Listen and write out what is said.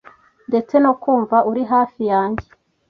ndetse no kumva uri hafi yanjye